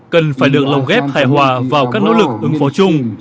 cần phải được lồng ghép hài hòa vào các nỗ lực ứng phó chung